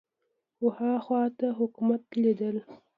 خو ها خوا ته حکومت لیدل